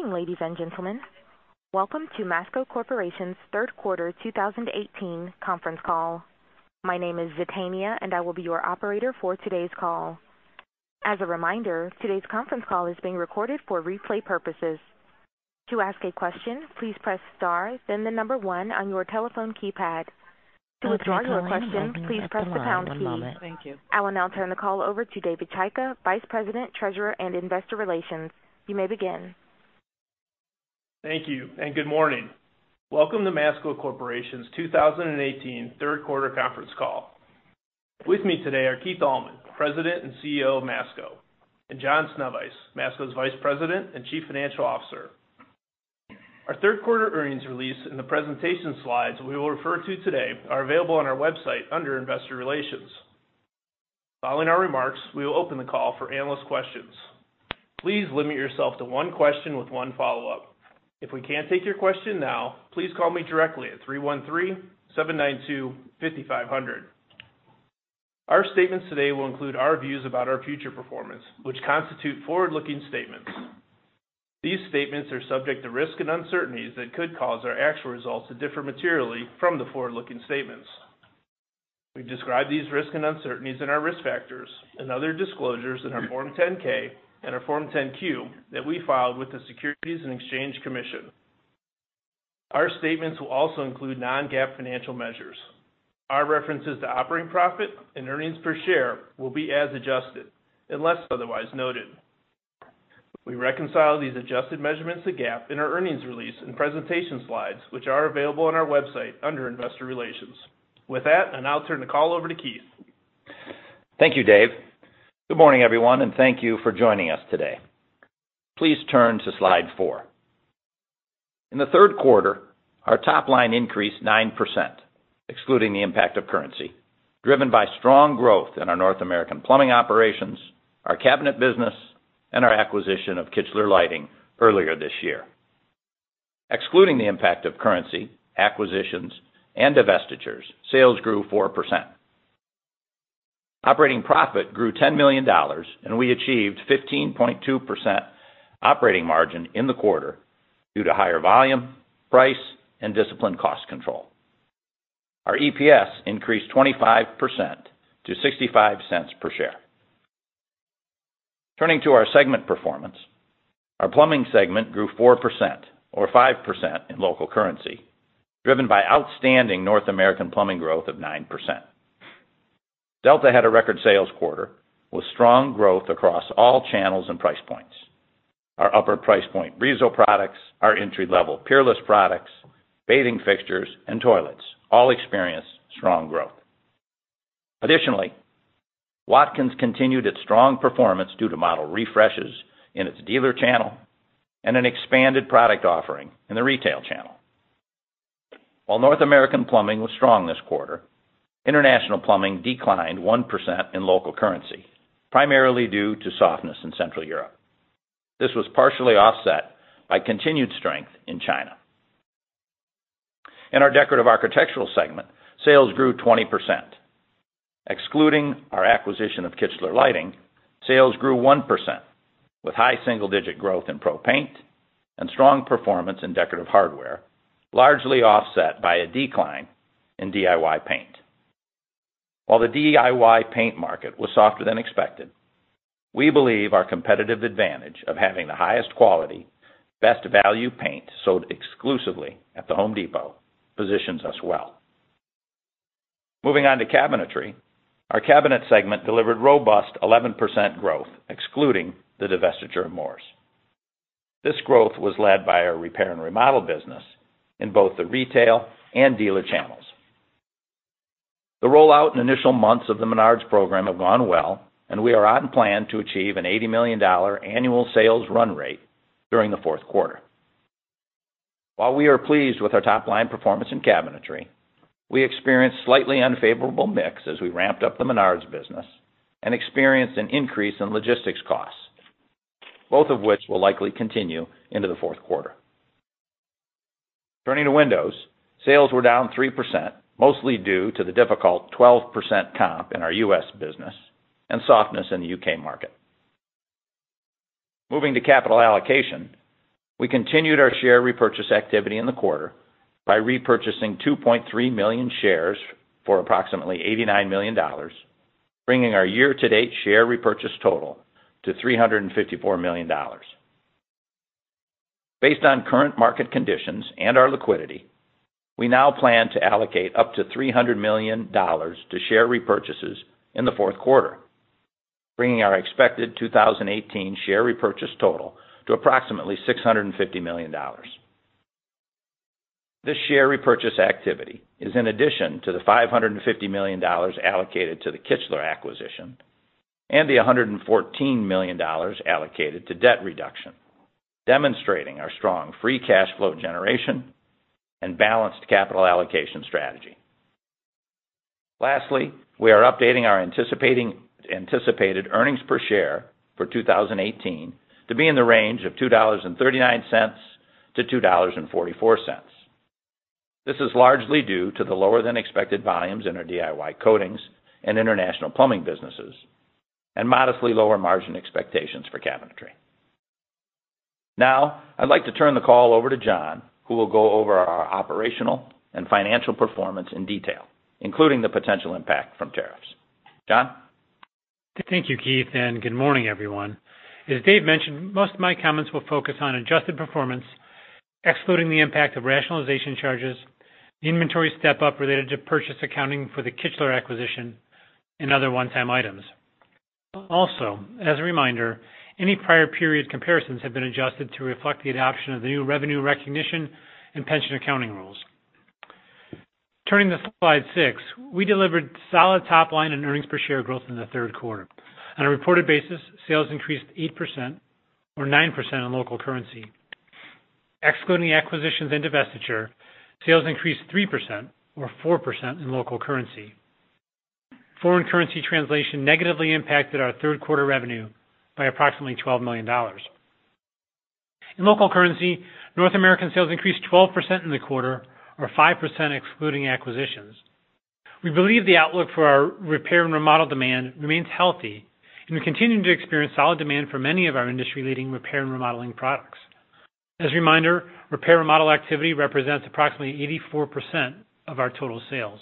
Good morning, ladies and gentlemen. Welcome to Masco Corporation's third quarter 2018 conference call. My name is Zetania, and I will be your operator for today's call. As a reminder, today's conference call is being recorded for replay purposes. To ask a question, please press star, then the number one on your telephone keypad. To withdraw your question, please press the pound key. Thank you. I will now turn the call over to David Chaika, Vice President, Treasurer, and Investor Relations. You may begin. Thank you. Good morning. Welcome to Masco Corporation's 2018 third quarter conference call. With me today are Keith Allman, President and CEO of Masco, and John Sznewajs, Masco's Vice President and Chief Financial Officer. Our third quarter earnings release and the presentation slides we will refer to today are available on our website under Investor Relations. Following our remarks, we will open the call for analyst questions. Please limit yourself to one question with one follow-up. If we can't take your question now, please call me directly at 313-792-5500. Our statements today will include our views about our future performance, which constitute forward-looking statements. These statements are subject to risks and uncertainties that could cause our actual results to differ materially from the forward-looking statements. We describe these risks and uncertainties in our risk factors and other disclosures in our Form 10-K and our Form 10-Q that we filed with the Securities and Exchange Commission. Our statements will also include non-GAAP financial measures. Our references to operating profit and earnings per share will be as adjusted, unless otherwise noted. We reconcile these adjusted measurements to GAAP in our earnings release and presentation slides, which are available on our website under Investor Relations. With that, I now turn the call over to Keith. Thank you, Dave. Good morning, everyone, and thank you for joining us today. Please turn to slide four. In the third quarter, our top line increased 9%, excluding the impact of currency, driven by strong growth in our North American plumbing operations, our cabinet business, and our acquisition of Kichler Lighting earlier this year. Excluding the impact of currency, acquisitions, and divestitures, sales grew 4%. Operating profit grew $10 million, and we achieved 15.2% operating margin in the quarter due to higher volume, price, and disciplined cost control. Our EPS increased 25% to $0.65 per share. Turning to our segment performance, our Plumbing segment grew 4%, or 5% in local currency, driven by outstanding North American plumbing growth of 9%. Delta had a record sales quarter with strong growth across all channels and price points. Our upper price point Brizo products, our entry-level Peerless products, bathing fixtures, and toilets all experienced strong growth. Additionally, Watkins continued its strong performance due to model refreshes in its dealer channel and an expanded product offering in the retail channel. While North American plumbing was strong this quarter, international plumbing declined 1% in local currency, primarily due to softness in Central Europe. This was partially offset by continued strength in China. In our Decorative Architectural segment, sales grew 20%. Excluding our acquisition of Kichler Lighting, sales grew 1%, with high single-digit growth in pro paint and strong performance in decorative hardware, largely offset by a decline in DIY paint. While the DIY paint market was softer than expected, we believe our competitive advantage of having the highest quality, best value paint sold exclusively at The Home Depot positions us well. Moving on to cabinetry. Our Cabinet segment delivered robust 11% growth, excluding the divestiture of Moores. This growth was led by our repair and remodel business in both the retail and dealer channels. The rollout and initial months of the Menards program have gone well, and we are on plan to achieve an $80 million annual sales run rate during the fourth quarter. While we are pleased with our top-line performance in cabinetry, we experienced slightly unfavorable mix as we ramped up the Menards business and experienced an increase in logistics costs, both of which will likely continue into the fourth quarter. Turning to windows, sales were down 3%, mostly due to the difficult 12% comp in our U.S. business and softness in the U.K. market. Moving to capital allocation, we continued our share repurchase activity in the quarter by repurchasing 2.3 million shares for approximately $89 million, bringing our year-to-date share repurchase total to $354 million. Based on current market conditions and our liquidity, we now plan to allocate up to $300 million to share repurchases in the fourth quarter, bringing our expected 2018 share repurchase total to approximately $650 million. This share repurchase activity is in addition to the $550 million allocated to the Kichler acquisition and the $114 million allocated to debt reduction, demonstrating our strong free cash flow generation and balanced capital allocation strategy. Lastly, we are updating our anticipated earnings per share for 2018 to be in the range of $2.39-$2.44. This is largely due to the lower than expected volumes in our DIY coatings and international plumbing businesses, and modestly lower margin expectations for cabinetry. I'd like to turn the call over to John, who will go over our operational and financial performance in detail, including the potential impact from tariffs. John? Thank you, Keith, and good morning, everyone. As Dave mentioned, most of my comments will focus on adjusted performance, excluding the impact of rationalization charges, the inventory step-up related to purchase accounting for the Kichler acquisition, and other one-time items. Also, as a reminder, any prior period comparisons have been adjusted to reflect the adoption of the new revenue recognition and pension accounting rules. Turning to slide six, we delivered solid top line and earnings per share growth in the third quarter. On a reported basis, sales increased 8%, or 9% in local currency. Excluding acquisitions and divestiture, sales increased 3%, or 4% in local currency. Foreign currency translation negatively impacted our third quarter revenue by approximately $12 million. In local currency, North American sales increased 12% in the quarter, or 5% excluding acquisitions. We believe the outlook for our repair and remodel demand remains healthy, and we're continuing to experience solid demand for many of our industry-leading repair and remodeling products. As a reminder, repair and remodel activity represents approximately 84% of our total sales.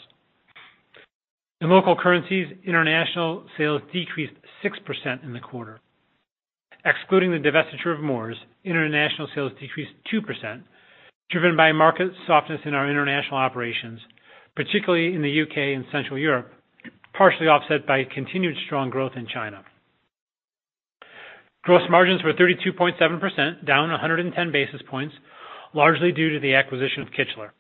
In local currencies, international sales decreased 6% in the quarter. Excluding the divestiture of Moores, international sales decreased 2%, driven by market softness in our international operations, particularly in the U.K. and Central Europe, partially offset by continued strong growth in China. Gross margins were 32.7%, down 110 basis points, largely due to the acquisition of Kichler.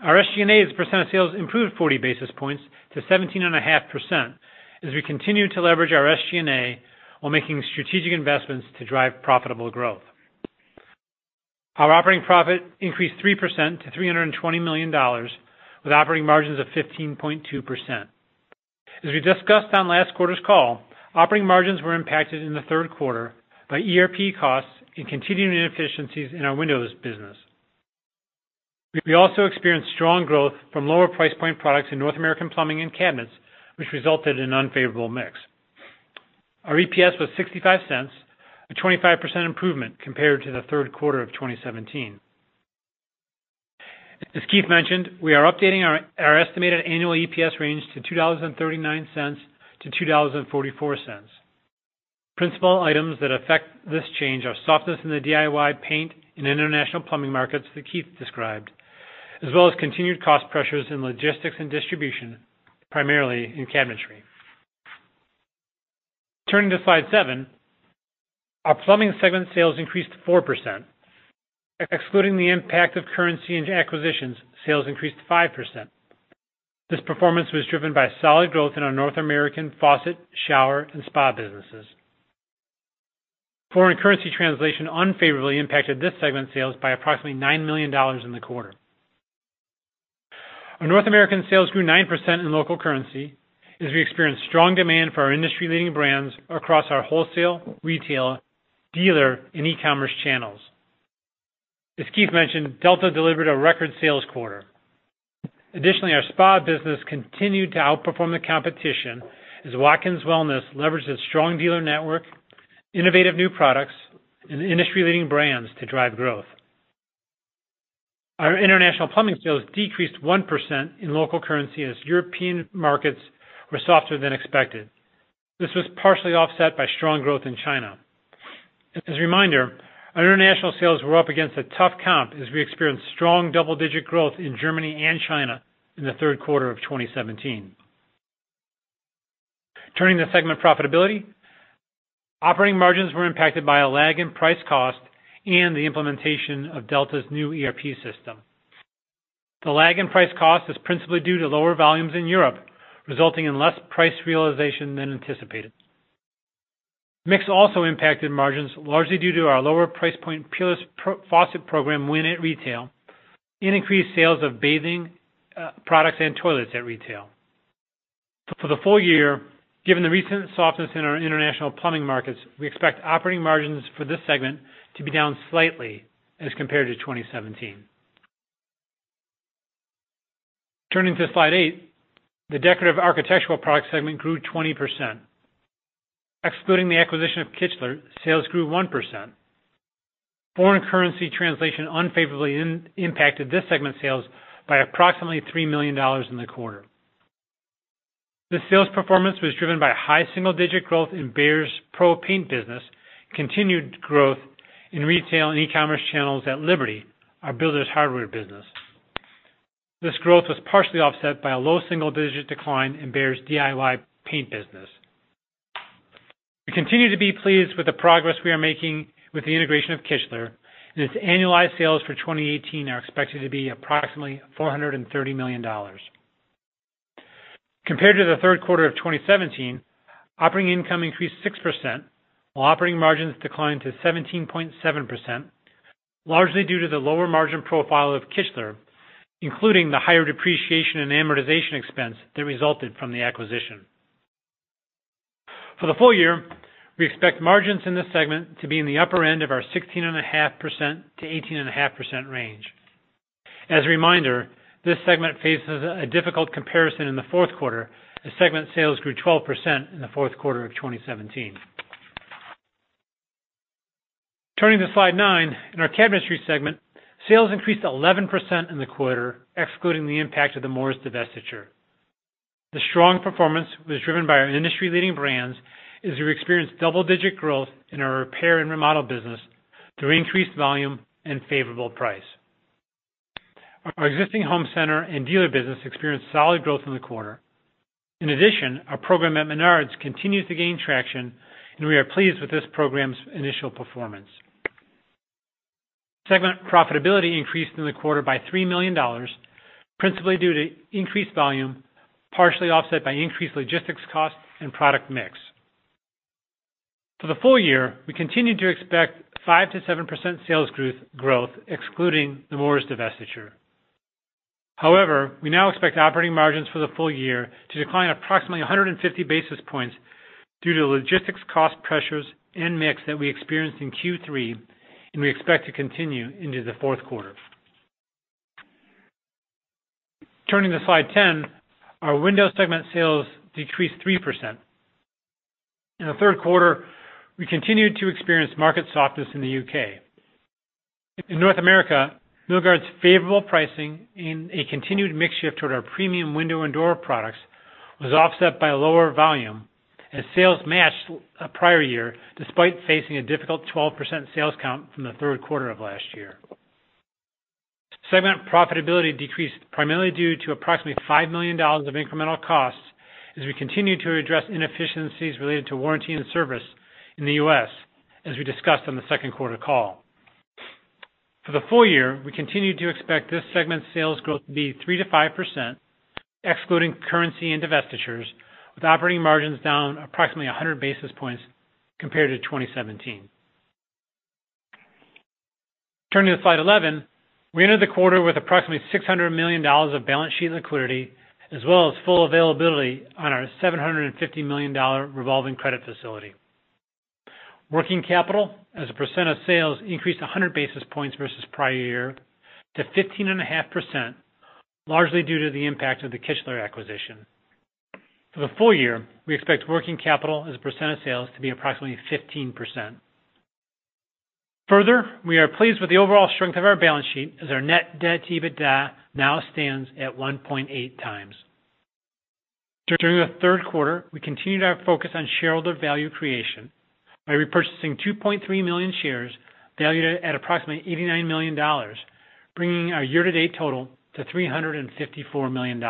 Our SG&A as a % of sales improved 40 basis points to 17.5% as we continue to leverage our SG&A while making strategic investments to drive profitable growth. Our operating profit increased 3% to $320 million, with operating margins of 15.2%. As we discussed on last quarter's call, operating margins were impacted in the third quarter by ERP costs and continuing inefficiencies in our windows business. We also experienced strong growth from lower price point products in North American plumbing and cabinets, which resulted in unfavorable mix. Our EPS was $0.65, a 25% improvement compared to the third quarter of 2017. As Keith mentioned, we are updating our estimated annual EPS range to $2.39-$2.44. Principal items that affect this change are softness in the DIY paint and international plumbing markets that Keith described, as well as continued cost pressures in logistics and distribution, primarily in cabinetry. Turning to slide seven, our plumbing segment sales increased 4%. Excluding the impact of currency and acquisitions, sales increased 5%. This performance was driven by solid growth in our North American faucet, shower, and spa businesses. Foreign currency translation unfavorably impacted this segment's sales by approximately $9 million in the quarter. Our North American sales grew 9% in local currency as we experienced strong demand for our industry-leading brands across our wholesale, retail, dealer, and e-commerce channels. As Keith mentioned, Delta delivered a record sales quarter. Additionally, our spa business continued to outperform the competition as Watkins Wellness leveraged its strong dealer network, innovative new products, and industry-leading brands to drive growth. Our international plumbing sales decreased 1% in local currency as European markets were softer than expected. This was partially offset by strong growth in China. As a reminder, our international sales were up against a tough count as we experienced strong double-digit growth in Germany and China in the third quarter of 2017. Turning to segment profitability, operating margins were impacted by a lag in price cost and the implementation of Delta's new ERP system. The lag in price cost is principally due to lower volumes in Europe, resulting in less price realization than anticipated. Mix also impacted margins, largely due to our lower price point Peerless Faucet program win at retail and increased sales of bathing products and toilets at retail. For the full year, given the recent softness in our international plumbing markets, we expect operating margins for this segment to be down slightly as compared to 2017. Turning to slide eight, the Decorative Architectural products segment grew 20%. Excluding the acquisition of Kichler, sales grew 1%. Foreign currency translation unfavorably impacted this segment's sales by approximately $3 million in the quarter. The sales performance was driven by high single-digit growth in Behr's Pro paint business, continued growth in retail and e-commerce channels at Liberty, our builder's hardware business. This growth was partially offset by a low double-digit decline in Behr's DIY paint business. We continue to be pleased with the progress we are making with the integration of Kichler, and its annualized sales for 2018 are expected to be approximately $430 million. Compared to the third quarter of 2017, operating income increased 6%, while operating margins declined to 17.7%, largely due to the lower margin profile of Kichler, including the higher depreciation and amortization expense that resulted from the acquisition. For the full year, we expect margins in this segment to be in the upper end of our 16.5%-18.5% range. As a reminder, this segment faces a difficult comparison in the fourth quarter, as segment sales grew 12% in the fourth quarter of 2017. Turning to slide 9, in our cabinetry segment, sales increased 11% in the quarter, excluding the impact of the Moores divestiture. The strong performance was driven by our industry-leading brands, as we experienced double-digit growth in our R&R business through increased volume and favorable price. Our existing home center and dealer business experienced solid growth in the quarter. Our program at Menards continues to gain traction, and we are pleased with this program's initial performance. Segment profitability increased in the quarter by $3 million, principally due to increased volume, partially offset by increased logistics costs and product mix. For the full year, we continue to expect 5%-7% sales growth, excluding the Moores divestiture. We now expect operating margins for the full year to decline approximately 150 basis points due to logistics cost pressures and mix that we experienced in Q3, and we expect to continue into the fourth quarter. Turning to slide 10, our window segment sales decreased 3%. We continued to experience market softness in the U.K. Milgard's favorable pricing and a continued mix shift toward our premium window and door products was offset by lower volume, as sales matched prior year despite facing a difficult 12% sales count from the third quarter of last year. Segment profitability decreased primarily due to approximately $5 million of incremental costs as we continued to address inefficiencies related to warranty and service in the U.S., as we discussed on the second quarter call. For the full year, we continue to expect this segment's sales growth to be 3%-5%, excluding currency and divestitures, with operating margins down approximately 100 basis points compared to 2017. Turning to slide 11, we entered the quarter with approximately $600 million of balance sheet liquidity, as well as full availability on our $750 million revolving credit facility. Working capital as a percent of sales increased 100 basis points versus prior year to 15.5%, largely due to the impact of the Kichler acquisition. For the full year, we expect working capital as a percent of sales to be approximately 15%. We are pleased with the overall strength of our balance sheet as our net debt to EBITDA now stands at 1.8x. During the third quarter, we continued our focus on shareholder value creation by repurchasing 2.3 million shares valued at approximately $89 million, bringing our year-to-date total to $354 million.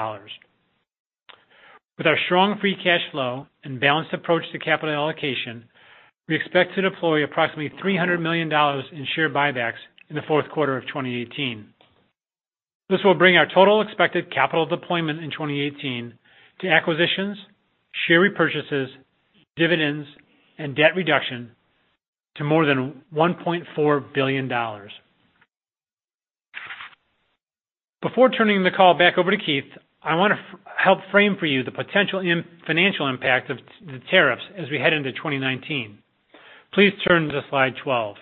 With our strong free cash flow and balanced approach to capital allocation, we expect to deploy approximately $300 million in share buybacks in the fourth quarter of 2018. This will bring our total expected capital deployment in 2018 to acquisitions, share repurchases, dividends, and debt reduction to more than $1.4 billion. Before turning the call back over to Keith, I want to help frame for you the potential financial impact of the tariffs as we head into 2019. Please turn to slide 12.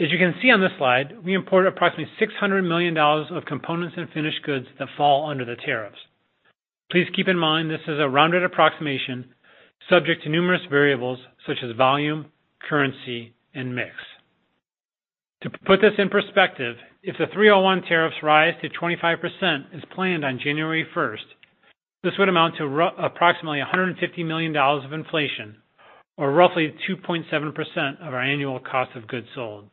We import approximately $600 million of components and finished goods that fall under the tariffs. Please keep in mind this is a rounded approximation subject to numerous variables such as volume, currency, and mix. To put this in perspective, if the 301 tariffs rise to 25% as planned on January 1st, this would amount to approximately $150 million of inflation, or roughly 2.7% of our annual cost of goods sold.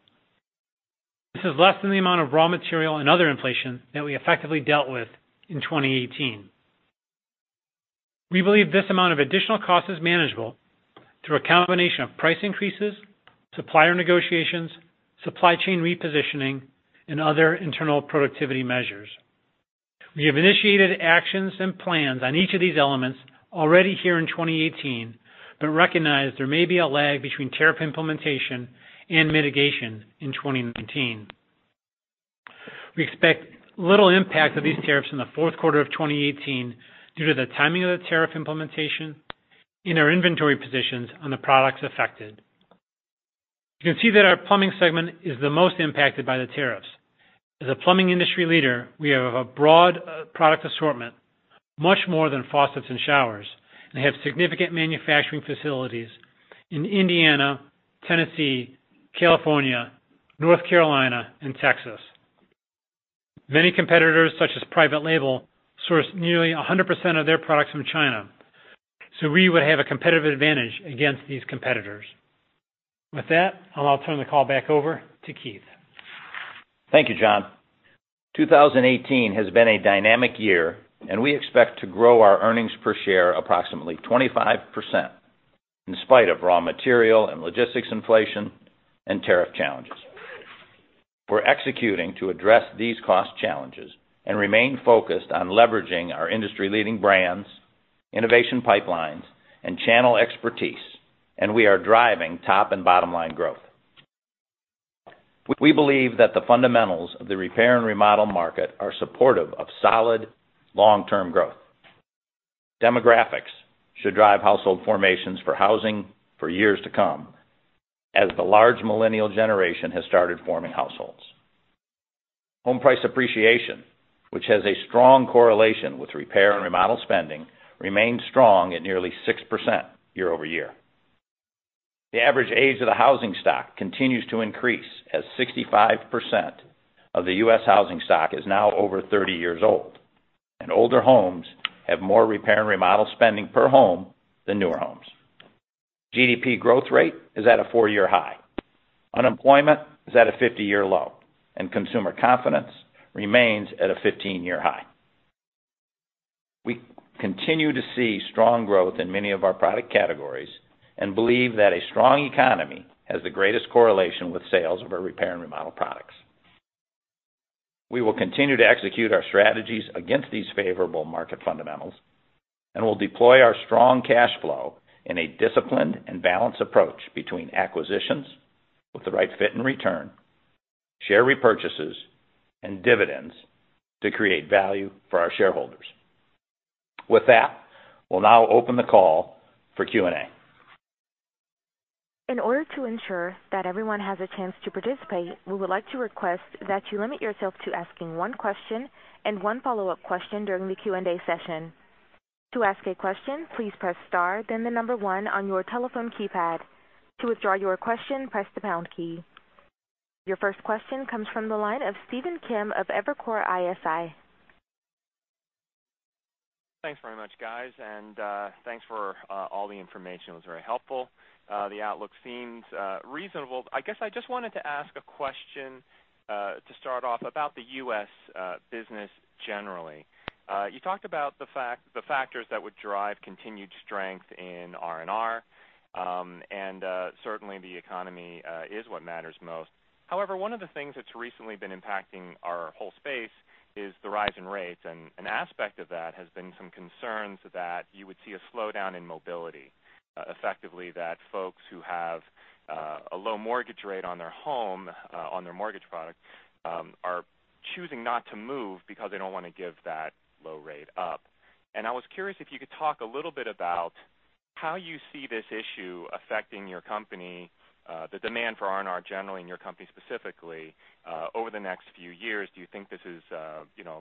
This is less than the amount of raw material and other inflation that we effectively dealt with in 2018. We believe this amount of additional cost is manageable through a combination of price increases, supplier negotiations, supply chain repositioning, and other internal productivity measures. We have initiated actions and plans on each of these elements already here in 2018, but recognize there may be a lag between tariff implementation and mitigation in 2019. We expect little impact of these tariffs in the fourth quarter of 2018 due to the timing of the tariff implementation and our inventory positions on the products affected. You can see that our plumbing segment is the most impacted by the tariffs. As a plumbing industry leader, we have a broad product assortment, much more than faucets and showers, and have significant manufacturing facilities in Indiana, Tennessee, California, North Carolina, and Texas. Many competitors, such as private label, source nearly 100% of their products from China. We would have a competitive advantage against these competitors. With that, I'll now turn the call back over to Keith. Thank you, John. 2018 has been a dynamic year. We expect to grow our earnings per share approximately 25%, in spite of raw material and logistics inflation and tariff challenges. We're executing to address these cost challenges and remain focused on leveraging our industry-leading brands, innovation pipelines, and channel expertise. We are driving top and bottom line growth. We believe that the fundamentals of the repair and remodel market are supportive of solid long-term growth. Demographics should drive household formations for housing for years to come, as the large millennial generation has started forming households. Home price appreciation, which has a strong correlation with repair and remodel spending, remains strong at nearly 6% year-over-year. The average age of the housing stock continues to increase as 65% of the U.S. housing stock is now over 30 years old. Older homes have more repair and remodel spending per home than newer homes. GDP growth rate is at a four-year high. Consumer confidence remains at a 15-year high. We continue to see strong growth in many of our product categories and believe that a strong economy has the greatest correlation with sales of our repair and remodel products. We will continue to execute our strategies against these favorable market fundamentals. We'll deploy our strong cash flow in a disciplined and balanced approach between acquisitions with the right fit and return, share repurchases, and dividends to create value for our shareholders. With that, we'll now open the call for Q&A. In order to ensure that everyone has a chance to participate, we would like to request that you limit yourself to asking one question and one follow-up question during the Q&A session. To ask a question, please press star then the number one on your telephone keypad. To withdraw your question, press the pound key. Your first question comes from the line of Stephen Kim of Evercore ISI. Thanks very much, guys, and thanks for all the information. It was very helpful. The outlook seems reasonable. I guess I just wanted to ask a question to start off about the U.S. business generally. You talked about the factors that would drive continued strength in R&R. Certainly, the economy is what matters most. However, one of the things that's recently been impacting our whole space is the rise in rates. An aspect of that has been some concerns that you would see a slowdown in mobility. Effectively, folks who have a low mortgage rate on their home, on their mortgage product, are choosing not to move because they don't want to give that low rate up. I was curious if you could talk a little bit about how you see this issue affecting your company, the demand for R&R generally, and your company specifically, over the next few years. Do you think this is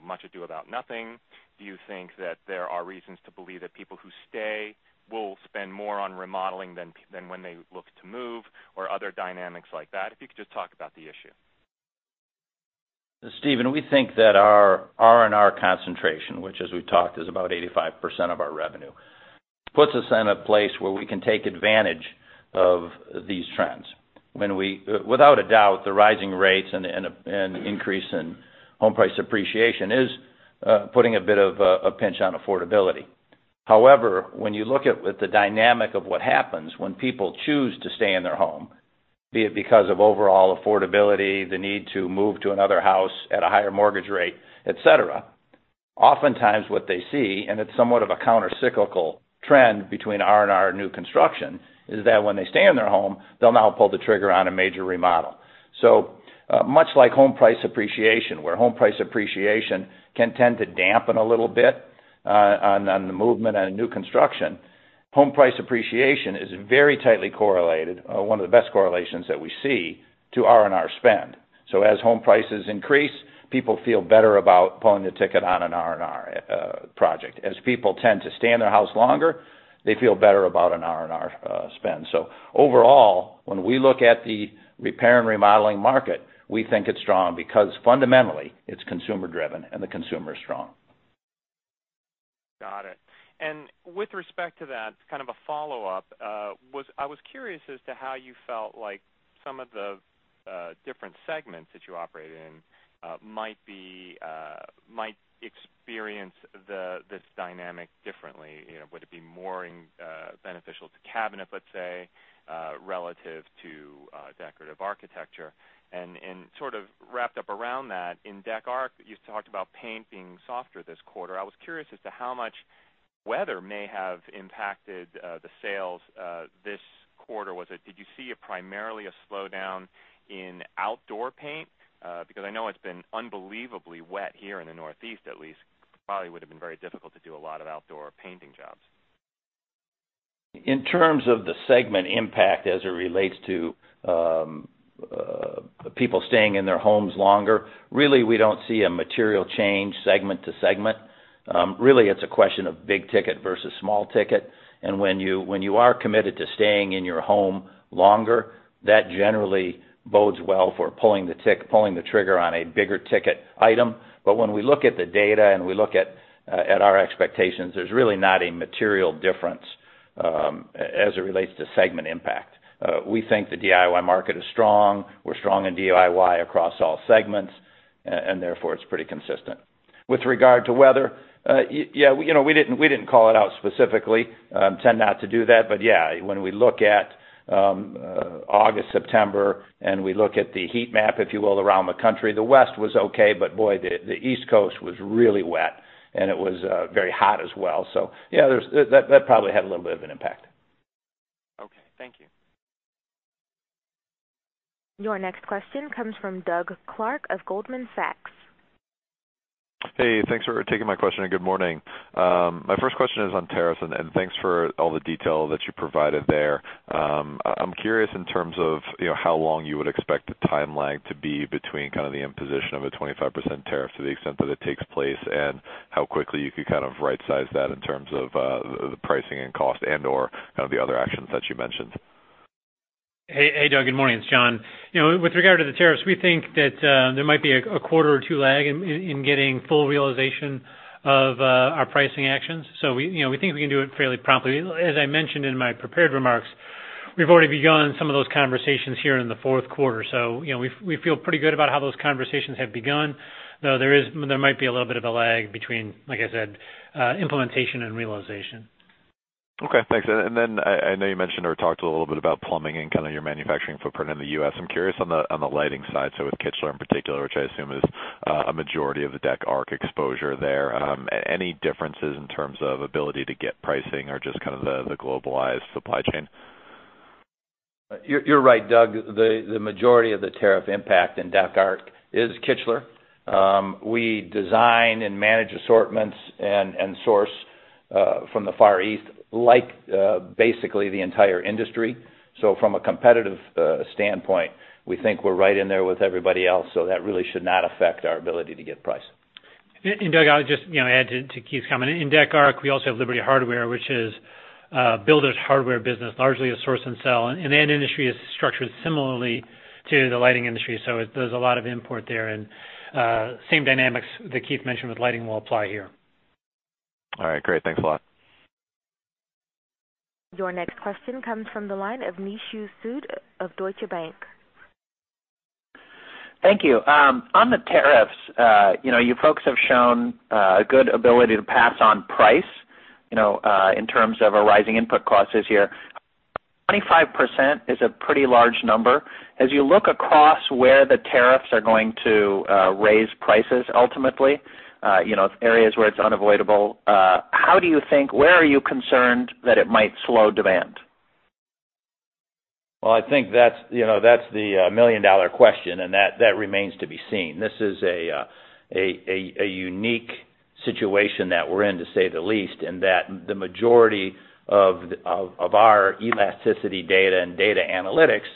much ado about nothing? Do you think that there are reasons to believe that people who stay will spend more on remodeling than when they look to move, or other dynamics like that? If you could just talk about the issue. Stephen, we think that our R&R concentration, which as we've talked, is about 85% of our revenue, puts us in a place where we can take advantage of these trends. Without a doubt, the rising rates and increase in home price appreciation is putting a bit of a pinch on affordability. However, when you look at the dynamic of what happens when people choose to stay in their home, be it because of overall affordability, the need to move to another house at a higher mortgage rate, et cetera, oftentimes what they see, and it's somewhat of a counter-cyclical trend between R&R and new construction, is that when they stay in their home, they'll now pull the trigger on a major remodel. Much like home price appreciation, where home price appreciation can tend to dampen a little bit on the movement on a new construction. Home price appreciation is very tightly correlated, one of the best correlations that we see to R&R spend. As home prices increase, people feel better about pulling the ticket on an R&R project. As people tend to stay in their house longer, they feel better about an R&R spend. Overall, when we look at the repair and remodeling market, we think it's strong because fundamentally it's consumer driven and the consumer is strong. Got it. With respect to that, kind of a follow-up. I was curious as to how you felt like some of the different segments that you operate in might experience this dynamic differently. Would it be more beneficial to cabinet, let's say, relative to Decorative Architectural? And sort of wrapped up around that, in Dec Arch, you talked about paint being softer this quarter. I was curious as to how much weather may have impacted the sales this quarter. Did you see primarily a slowdown in outdoor paint? Because I know it's been unbelievably wet here in the Northeast, at least. Probably would've been very difficult to do a lot of outdoor painting jobs. In terms of the segment impact as it relates to people staying in their homes longer, really, we don't see a material change segment to segment. Really, it's a question of big ticket versus small ticket. When you are committed to staying in your home longer, that generally bodes well for pulling the trigger on a bigger ticket item. When we look at the data and we look at our expectations, there's really not a material difference as it relates to segment impact. We think the DIY market is strong. We're strong in DIY across all segments. Therefore, it's pretty consistent. With regard to weather, we didn't call it out specifically. Tend not to do that. Yeah, when we look at August, September, and we look at the heat map, if you will, around the country, the West was okay, but boy, the East Coast was really wet, and it was very hot as well. Yeah, that probably had a little bit of an impact. Okay. Thank you. Your next question comes from Doug Clark of Goldman Sachs. Hey, thanks for taking my question. Good morning. My first question is on tariffs, and thanks for all the detail that you provided there. I'm curious in terms of how long you would expect the timeline to be between kind of the imposition of a 25% tariff to the extent that it takes place, and how quickly you could kind of right-size that in terms of the pricing and cost and/or kind of the other actions that you mentioned. Hey, Doug. Good morning. It's John. With regard to the tariffs, we think that there might be a quarter or two lag in getting full realization of our pricing actions. We think we can do it fairly promptly. As I mentioned in my prepared remarks, we've already begun some of those conversations here in the fourth quarter. We feel pretty good about how those conversations have begun, though there might be a little bit of a lag between, like I said, implementation and realization. Okay, thanks. Then I know you mentioned or talked a little bit about plumbing and kind of your manufacturing footprint in the U.S. I'm curious on the lighting side, with Kichler in particular, which I assume is a majority of the Decorative Architectural exposure there. Any differences in terms of ability to get pricing or just kind of the globalized supply chain? You're right, Doug. The majority of the tariff impact in Decorative Architectural is Kichler. We design and manage assortments and source from the Far East, like basically the entire industry. From a competitive standpoint, we think we're right in there with everybody else, that really should not affect our ability to get price. Doug, I would just add to Keith's comment. In Decorative Architectural, we also have Liberty Hardware, which is a builder's hardware business, largely a source and sell. That industry is structured similarly to the lighting industry, there's a lot of import there, same dynamics that Keith mentioned with lighting will apply here. All right, great. Thanks a lot. Your next question comes from the line of Nishu Sood of Deutsche Bank. Thank you. On the tariffs, you folks have shown a good ability to pass on price, in terms of arising input costs this year. 25% is a pretty large number. As you look across where the tariffs are going to raise prices ultimately, areas where it's unavoidable, how do you think, where are you concerned that it might slow demand? Well, I think that's the million-dollar question, and that remains to be seen. This is a unique situation that we're in, to say the least, in that the majority of our elasticity data and data analytics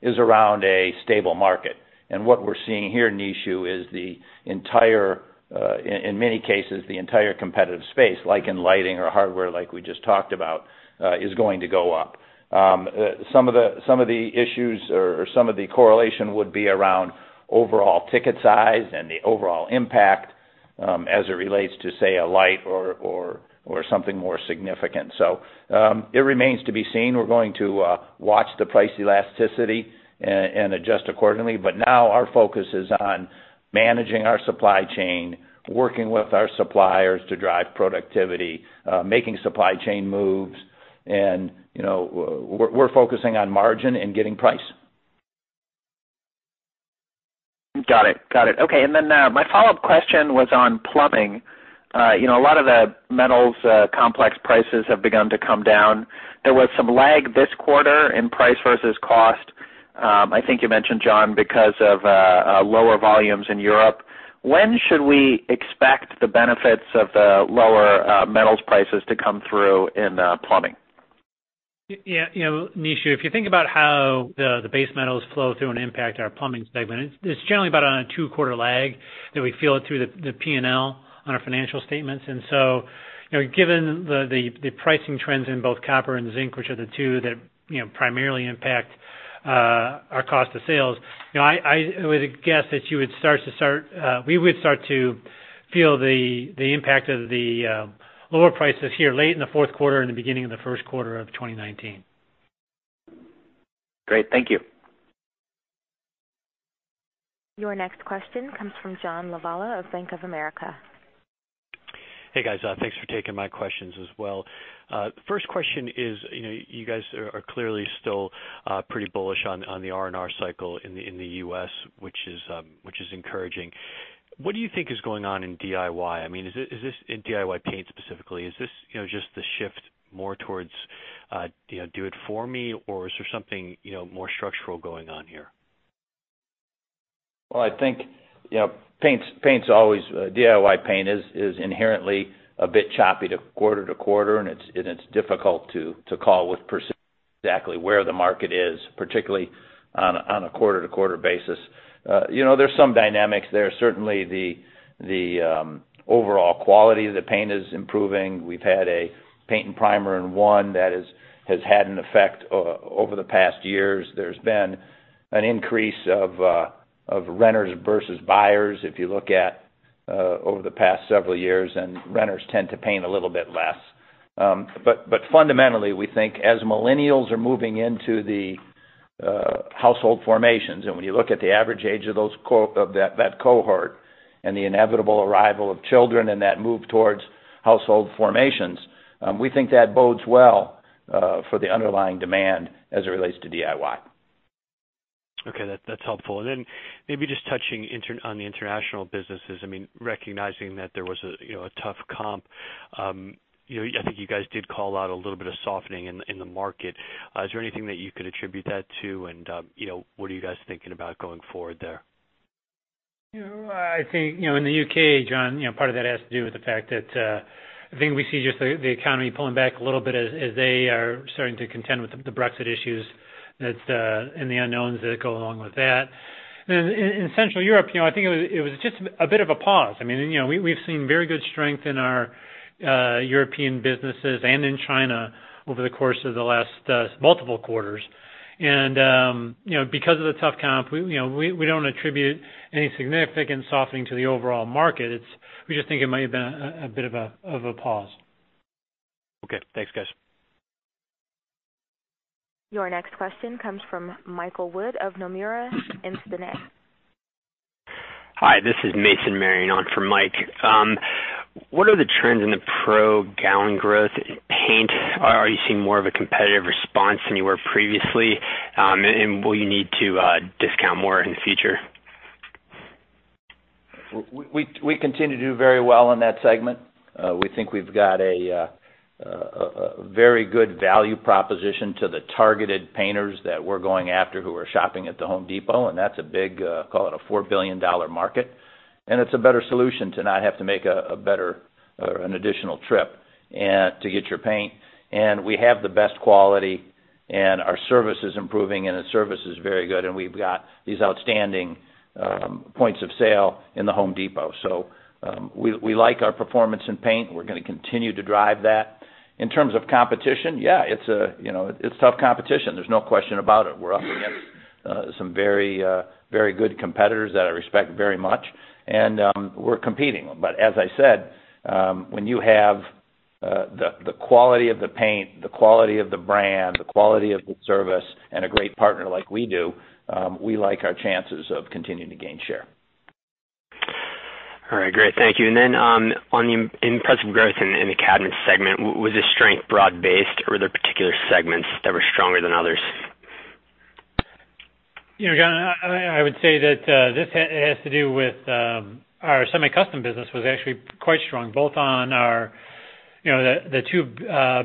is around a stable market. What we're seeing here, Nishu, is in many cases, the entire competitive space, like in lighting or hardware like we just talked about, is going to go up. Some of the issues or some of the correlation would be around overall ticket size and the overall impact, as it relates to, say, a light or something more significant. It remains to be seen. We're going to watch the price elasticity and adjust accordingly. Now our focus is on managing our supply chain, working with our suppliers to drive productivity, making supply chain moves, and we're focusing on margin and getting price. Got it. Okay. Then my follow-up question was on plumbing. A lot of the metals complex prices have begun to come down. There was some lag this quarter in price versus cost. I think you mentioned, John, because of lower volumes in Europe. When should we expect the benefits of the lower metals prices to come through in plumbing? Nishu, if you think about how the base metals flow through and impact our plumbing segment, it's generally about on a two-quarter lag that we feel it through the P&L on our financial statements. Given the pricing trends in both copper and zinc, which are the two that primarily impact our cost of sales, I would guess that we would start to feel the impact of the lower prices here late in the fourth quarter and the beginning of the first quarter of 2019. Great. Thank you. Your next question comes from John Lovallo of Bank of America. Hey, guys. Thanks for taking my questions as well. First question is, you guys are clearly still pretty bullish on the R&R cycle in the U.S., which is encouraging. What do you think is going on in DIY? In DIY paint specifically, is this just the shift more towards do it for me, or is there something more structural going on here? Well, I think DIY paint is inherently a bit choppy quarter-to-quarter, and it's difficult to call with precision exactly where the market is, particularly on a quarter-to-quarter basis. There's some dynamics there. Certainly the overall quality of the paint is improving. We've had a paint and primer in one that has had an effect over the past years. There's been an increase of renters versus buyers, if you look at over the past several years, and renters tend to paint a little bit less. Fundamentally, we think as Millennials are moving into the household formations, and when you look at the average age of that cohort and the inevitable arrival of children and that move towards household formations, we think that bodes well for the underlying demand as it relates to DIY. Okay. That's helpful. Maybe just touching on the international businesses. Recognizing that there was a tough comp, I think you guys did call out a little bit of softening in the market. Is there anything that you could attribute that to? What are you guys thinking about going forward there? I think, in the U.K., John, part of that has to do with the fact that I think we see just the economy pulling back a little bit as they are starting to contend with the Brexit issues and the unknowns that go along with that. In Central Europe, I think it was just a bit of a pause. We've seen very good strength in our European businesses and in China over the course of the last multiple quarters. Because of the tough comp, we don't attribute any significant softening to the overall market. We just think it might have been a bit of a pause. Okay. Thanks, guys. Your next question comes from Mike Wood of Instinet. Hi, this is Mason Marion on for Mike. What are the trends in the pro gallon growth in paint? Are you seeing more of a competitive response than you were previously? Will you need to discount more in the future? We continue to do very well in that segment. We think we've got a very good value proposition to the targeted painters that we're going after who are shopping at The Home Depot, and that's a big, call it a $4 billion market. It's a better solution to not have to make an additional trip to get your paint. We have the best quality, and our service is improving, and the service is very good, and we've got these outstanding points of sale in The Home Depot. We like our performance in paint. We're going to continue to drive that. In terms of competition, yeah, it's tough competition. There's no question about it. We're up against some very good competitors that I respect very much, and we're competing. As I said, when you have the quality of the paint, the quality of the brand, the quality of the service, and a great partner like we do, we like our chances of continuing to gain share. All right. Great. Thank you. On the impressive growth in the Cabinets segment, was this strength broad-based, or were there particular segments that were stronger than others? John, I would say that this has to do with our semi-custom business was actually quite strong, both on the two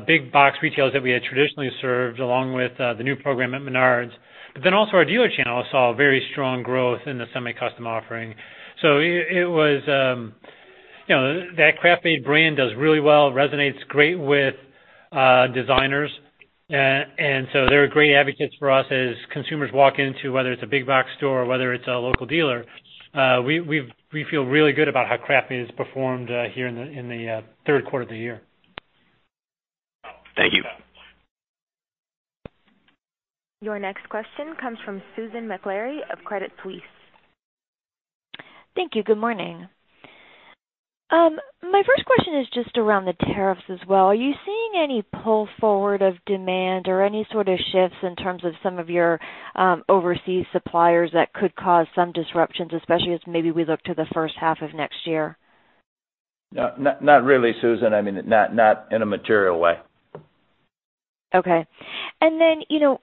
big box retailers that we had traditionally served, along with the new program at Menards. Also our dealer channel saw very strong growth in the semi-custom offering. That KraftMaid brand does really well. It resonates great with designers. They're great advocates for us as consumers walk into, whether it's a big box store or whether it's a local dealer. We feel really good about how KraftMaid has performed here in the third quarter of the year. Thank you. Your next question comes from Susan Maklari of Credit Suisse. Thank you. Good morning. My first question is just around the tariffs as well. Are you seeing any pull forward of demand or any sort of shifts in terms of some of your overseas suppliers that could cause some disruptions, especially as maybe we look to the first half of next year? Not really, Susan. Not in a material way. Okay.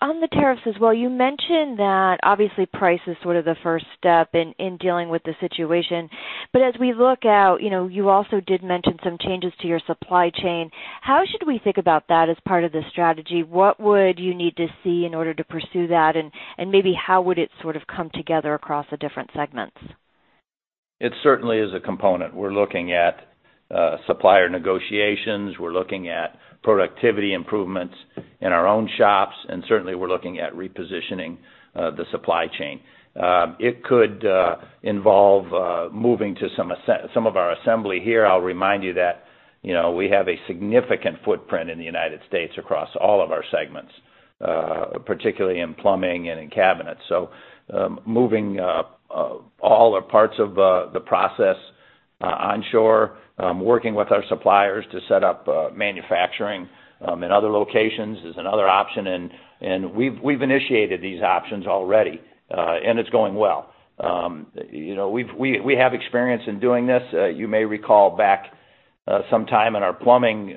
On the tariffs as well, you mentioned that obviously price is sort of the first step in dealing with the situation. As we look out, you also did mention some changes to your supply chain. How should we think about that as part of the strategy? What would you need to see in order to pursue that, and maybe how would it sort of come together across the different segments? It certainly is a component. We're looking at supplier negotiations. We're looking at productivity improvements in our own shops, and certainly we're looking at repositioning the supply chain. It could involve moving to some of our assembly here. I'll remind you that we have a significant footprint in the United States across all of our segments, particularly in plumbing and in cabinets. Moving all or parts of the process onshore, working with our suppliers to set up manufacturing in other locations is another option, and we've initiated these options already. It's going well. We have experience in doing this. You may recall back some time in our plumbing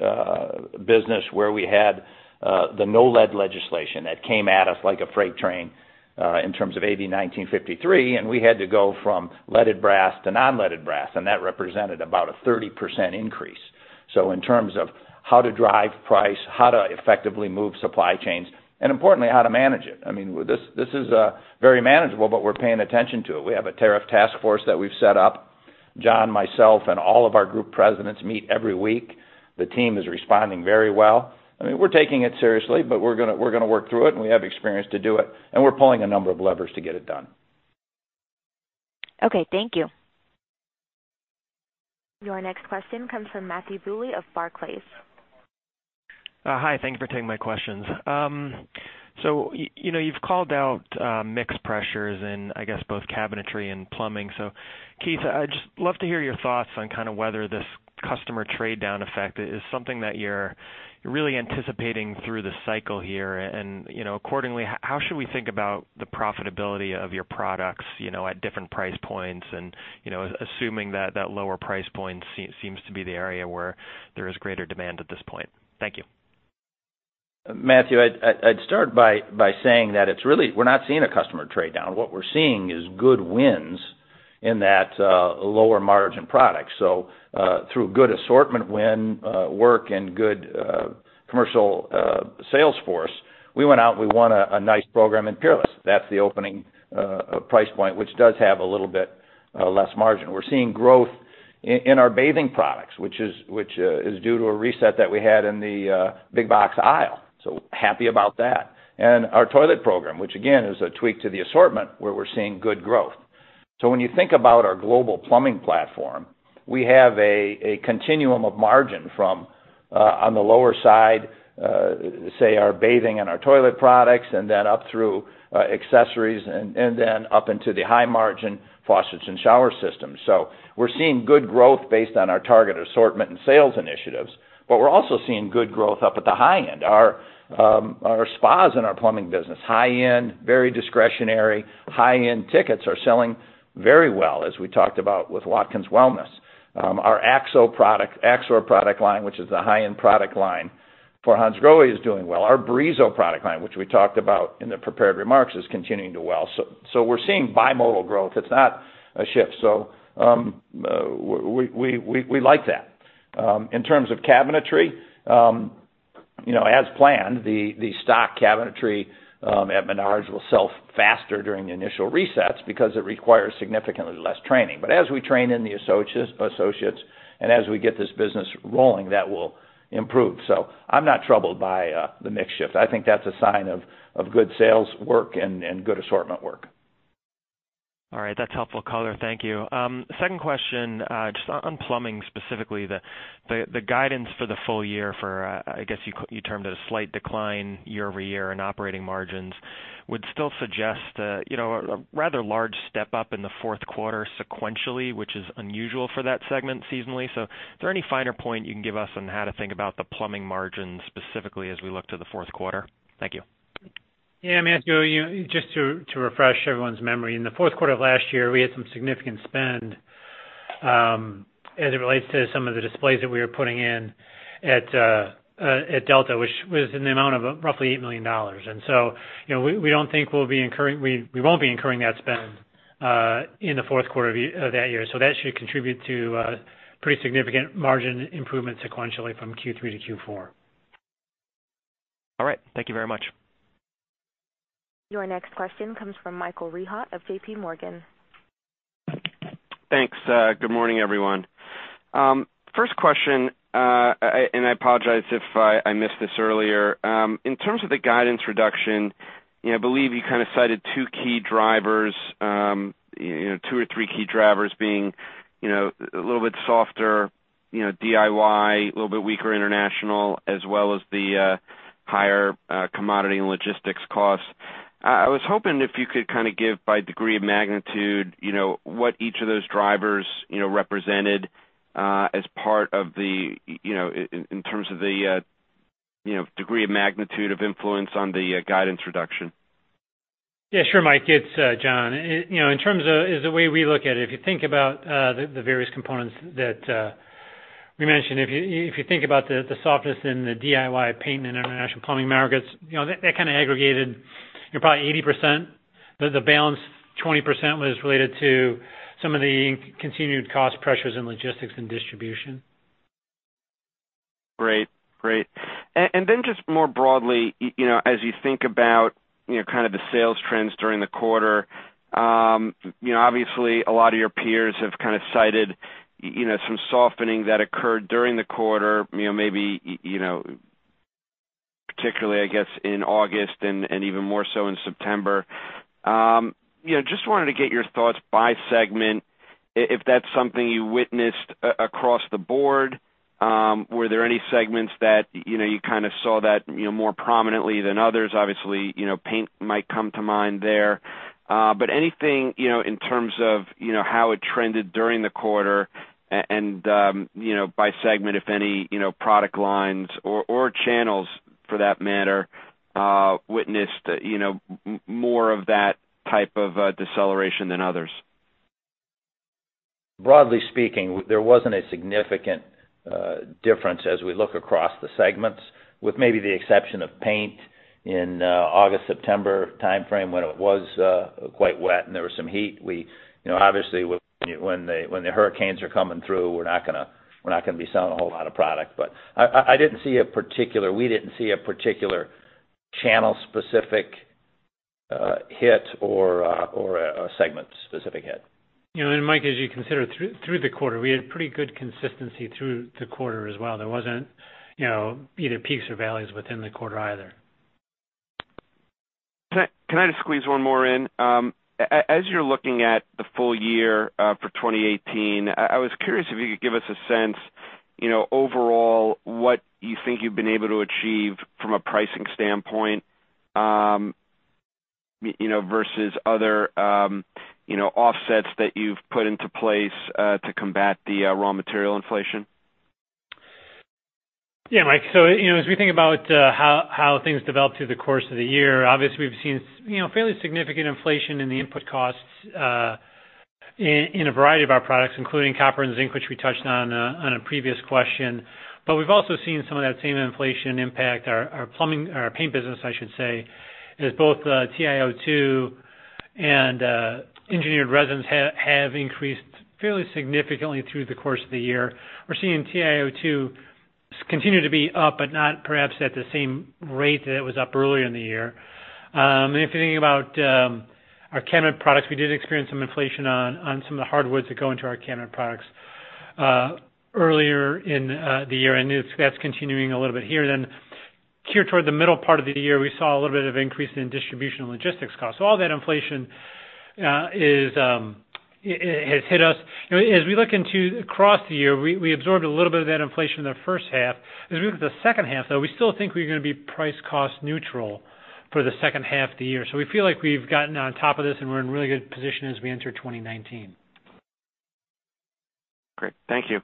business where we had the no-lead legislation that came at us like a freight train in terms of AB 1953, and we had to go from leaded brass to non-leaded brass, and that represented about a 30% increase. In terms of how to drive price, how to effectively move supply chains, and importantly, how to manage it. This is very manageable, but we're paying attention to it. We have a tariff task force that we've set up. John, myself, and all of our group presidents meet every week. The team is responding very well. We're taking it seriously, but we're going to work through it, and we have experience to do it, and we're pulling a number of levers to get it done. Okay. Thank you. Your next question comes from Matthew Bouley of Barclays. Hi. Thank you for taking my questions. You've called out mixed pressures in, I guess, both cabinetry and plumbing. Keith, I'd just love to hear your thoughts on kind of whether this customer trade-down effect is something that you're really anticipating through the cycle here, and accordingly, how should we think about the profitability of your products at different price points and assuming that lower price point seems to be the area where there is greater demand at this point? Thank you. Matthew, I'd start by saying that we're not seeing a customer trade down. What we're seeing is good wins in that lower margin product. Through good assortment win work and good commercial sales force, we went out and we won a nice program in Peerless. That's the opening price point, which does have a little bit less margin. We're seeing growth in our bathing products, which is due to a reset that we had in the big box aisle, so happy about that. Our toilet program, which again is a tweak to the assortment, where we're seeing good growth. When you think about our global plumbing platform, we have a continuum of margin from on the lower side, say our bathing and our toilet products, and then up through accessories, and then up into the high margin faucets and shower systems. We're seeing good growth based on our target assortment and sales initiatives. We're also seeing good growth up at the high end. Our spas and our plumbing business, high end, very discretionary. High end tickets are selling very well, as we talked about with Watkins Wellness. Our AXOR product line, which is the high-end product line for Hansgrohe, is doing well. Our Brizo product line, which we talked about in the prepared remarks, is continuing to do well. We're seeing bimodal growth. It's not a shift. We like that. In terms of cabinetry, as planned, the stock cabinetry at Menards will sell faster during the initial resets because it requires significantly less training. As we train in the associates, and as we get this business rolling, that will improve. I'm not troubled by the mix shift. I think that's a sign of good sales work and good assortment work. All right. That's helpful color. Thank you. Second question, just on plumbing specifically, the guidance for the full year for, I guess you termed it, a slight decline year-over-year in operating margins would still suggest a rather large step up in the fourth quarter sequentially, which is unusual for that segment seasonally. Is there any finer point you can give us on how to think about the plumbing margins specifically as we look to the fourth quarter? Thank you. Matthew, just to refresh everyone's memory, in the fourth quarter of last year, we had some significant spend, as it relates to some of the displays that we were putting in at Delta, which was in the amount of roughly $8 million. We won't be incurring that spend in the fourth quarter of that year. That should contribute to pretty significant margin improvement sequentially from Q3 to Q4. All right. Thank you very much. Your next question comes from Michael Rehaut of J.P. Morgan. Thanks. Good morning, everyone. First question, I apologize if I missed this earlier. In terms of the guidance reduction, I believe you kind of cited two or three key drivers being a little bit softer DIY, a little bit weaker international, as well as the higher commodity and logistics costs. I was hoping if you could kind of give by degree of magnitude, what each of those drivers represented in terms of the degree of magnitude of influence on the guidance reduction. Sure, Mike. It's John. The way we look at it, if you think about the various components that we mentioned, if you think about the softness in the DIY paint and international plumbing markets, that kind of aggregated probably 80%. The balance 20% was related to some of the continued cost pressures in logistics and distribution. Great. Just more broadly, as you think about kind of the sales trends during the quarter. Obviously, a lot of your peers have kind of cited some softening that occurred during the quarter, maybe particularly, I guess, in August and even more so in September. Just wanted to get your thoughts by segment, if that's something you witnessed across the board. Were there any segments that you kind of saw that more prominently than others? Obviously, paint might come to mind there. But anything in terms of how it trended during the quarter and by segment, if any product lines or channels, for that matter, witnessed more of that type of deceleration than others? Broadly speaking, there wasn't a significant difference as we look across the segments, with maybe the exception of paint in August, September timeframe, when it was quite wet and there was some heat. Obviously, when the hurricanes are coming through, we're not going to be selling a whole lot of product. We didn't see a particular channel specific hit or a segment specific hit. Mike, as you consider through the quarter, we had pretty good consistency through the quarter as well. There wasn't either peaks or valleys within the quarter either. Can I just squeeze one more in? As you're looking at the full year for 2018, I was curious if you could give us a sense overall what you think you've been able to achieve from a pricing standpoint versus other offsets that you've put into place to combat the raw material inflation. Yeah, Mike. As we think about how things developed through the course of the year, obviously we've seen fairly significant inflation in the input costs in a variety of our products, including copper and zinc, which we touched on a previous question. We've also seen some of that same inflation impact our paint business, I should say. As both TiO2 and engineered resins have increased fairly significantly through the course of the year. We're seeing TiO2 continue to be up, but not perhaps at the same rate that it was up earlier in the year. If you think about our cabinet products, we did experience some inflation on some of the hardwoods that go into our cabinet products earlier in the year, and that's continuing a little bit here. Here toward the middle part of the year, we saw a little bit of increase in distribution logistics costs. All that inflation has hit us. As we look across the year, we absorbed a little bit of that inflation in the first half. As we look at the second half, though, we still think we're going to be price cost neutral for the second half of the year. We feel like we've gotten on top of this, and we're in a really good position as we enter 2019. Great. Thank you.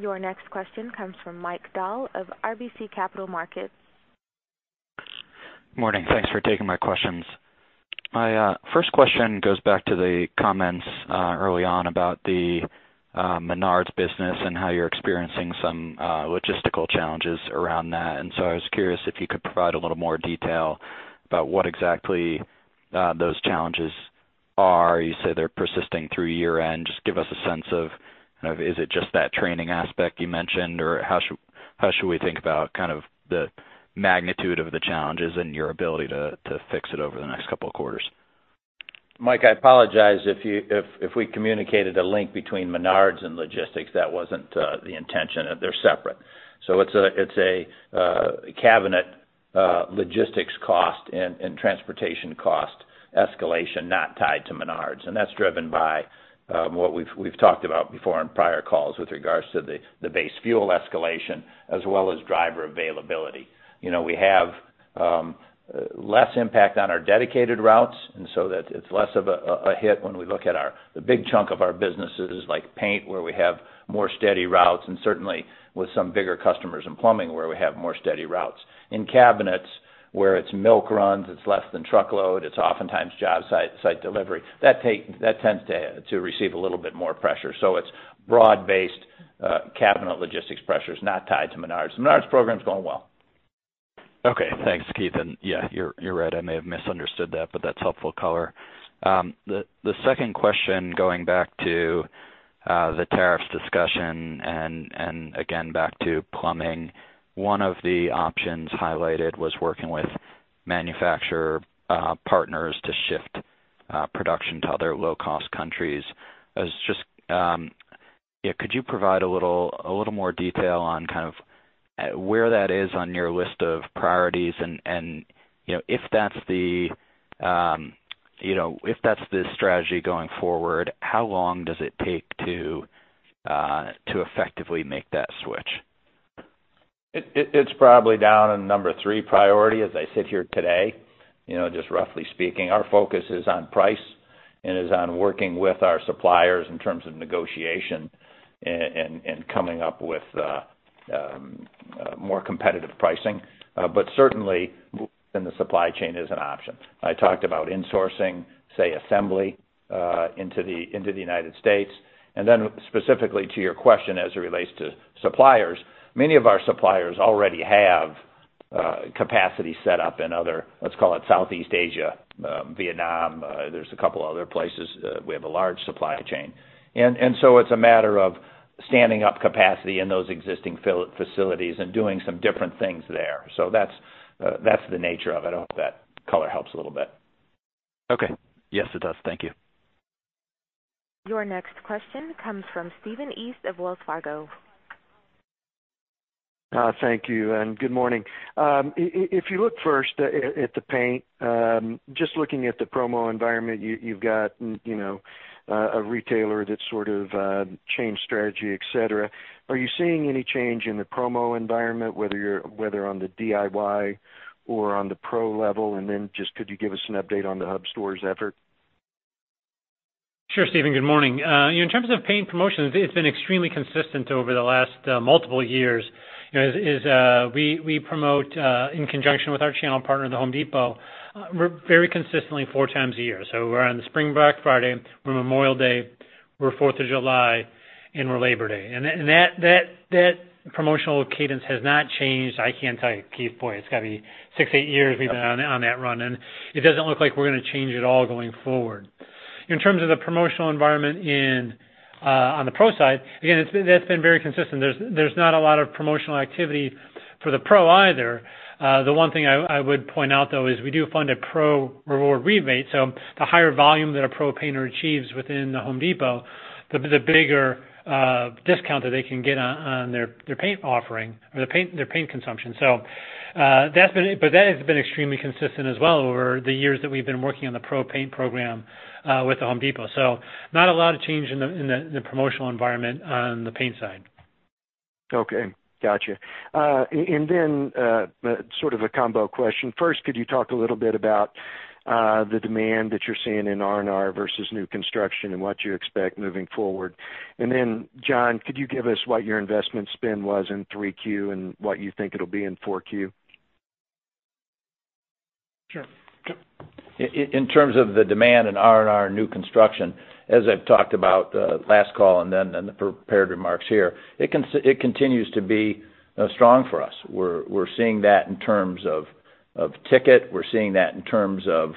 Your next question comes from Mike Dahl of RBC Capital Markets. Morning. Thanks for taking my questions. My first question goes back to the comments early on about the Menards business and how you're experiencing some logistical challenges around that. I was curious if you could provide a little more detail about what exactly those challenges are. You say they're persisting through year-end. Just give us a sense of, is it just that training aspect you mentioned? Or how should we think about the magnitude of the challenges and your ability to fix it over the next couple of quarters? Mike, I apologize if we communicated a link between Menards and logistics. That wasn't the intention. They're separate. It's a cabinet logistics cost and transportation cost escalation not tied to Menards. That's driven by what we've talked about before on prior calls with regards to the base fuel escalation as well as driver availability. We have less impact on our dedicated routes, and so it's less of a hit when we look at the big chunk of our businesses like paint, where we have more steady routes, and certainly with some bigger customers in plumbing, where we have more steady routes. In cabinets, where it's milk runs, it's less than truckload, it's oftentimes job site delivery. That tends to receive a little bit more pressure. It's broad-based cabinet logistics pressures not tied to Menards. The Menards program is going well. Okay. Thanks, Keith. Yeah, you're right. I may have misunderstood that, but that's helpful color. The second question, going back to the tariffs discussion and again, back to plumbing. One of the options highlighted was working with manufacturer partners to shift production to other low-cost countries. Could you provide a little more detail on where that is on your list of priorities? If that's the strategy going forward, how long does it take to effectively make that switch? It's probably down in number three priority as I sit here today, just roughly speaking. Our focus is on price and is on working with our suppliers in terms of negotiation and coming up with more competitive pricing. Certainly, moving in the supply chain is an option. I talked about insourcing, say, assembly into the U.S. Then specifically to your question as it relates to suppliers, many of our suppliers already have capacity set up in other, let's call it Southeast Asia, Vietnam. There's a couple other places. We have a large supply chain. It's a matter of standing up capacity in those existing facilities and doing some different things there. That's the nature of it. I hope that color helps a little bit. Okay. Yes, it does. Thank you. Your next question comes from Stephen East of Wells Fargo. Thank you, and good morning. If you look first at the paint, just looking at the promo environment, you've got a retailer that sort of changed strategy, et cetera. Are you seeing any change in the promo environment, whether on the DIY or on the pro level? Just could you give us an update on the hub stores effort? Sure, Stephen, good morning. In terms of paint promotions, it's been extremely consistent over the last multiple years. We promote in conjunction with our channel partner, The Home Depot, very consistently four times a year. We're on the Spring Black Friday, we're Memorial Day, we're Fourth of July, and we're Labor Day. That promotional cadence has not changed. I can't tell you, Keith, boy, it's got to be six, eight years we've been on that run, and it doesn't look like we're going to change at all going forward. In terms of the promotional environment on the pro side, again, that's been very consistent. There's not a lot of promotional activity for the pro either. The one thing I would point out, though, is we do fund a pro reward rebate. The higher volume that a pro painter achieves within The Home Depot, the bigger discount that they can get on their paint offering or their paint consumption. That has been extremely consistent as well over the years that we've been working on the pro paint program with The Home Depot. Not a lot of change in the promotional environment on the paint side. Okay. Got you. Sort of a combo question. First, could you talk a little bit about the demand that you're seeing in R&R versus new construction and what you expect moving forward? John, could you give us what your investment spend was in Q3 and what you think it'll be in Q4? Sure. In terms of the demand in R&R new construction, as I've talked about last call and then in the prepared remarks here, it continues to be strong for us. We're seeing that in terms of ticket. We're seeing that in terms of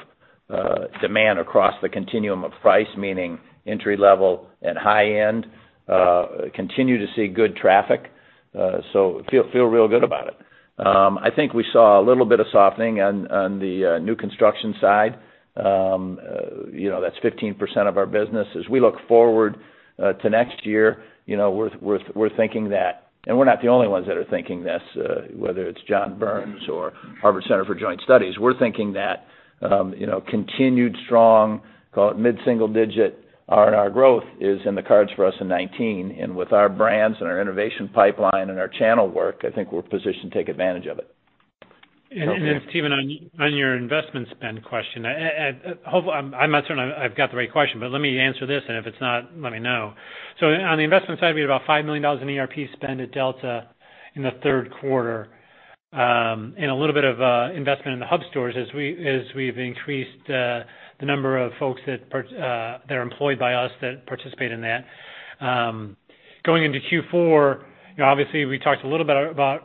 demand across the continuum of price, meaning entry-level and high-end, continue to see good traffic. Feel real good about it. I think we saw a little bit of softening on the new construction side. That's 15% of our business. As we look forward to next year, we're thinking that, we're not the only ones that are thinking this, whether it's John Burns or Harvard Center for Joint Studies, we're thinking that continued strong, call it mid-single-digit R&R growth is in the cards for us in 2019. With our brands and our innovation pipeline and our channel work, I think we're positioned to take advantage of it. Steven, on your investment spend question, I'm not certain I've got the right question, but let me answer this, and if it's not, let me know. On the investment side, we had about $5 million in ERP spend at Delta in the third quarter. A little bit of investment in the hub stores as we've increased the number of folks that are employed by us that participate in that. Going into Q4, obviously we talked a little bit